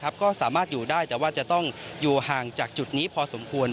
ก็สามารถอยู่ได้แต่ว่าจะต้องอยู่ห่างจากจุดนี้พอสมควร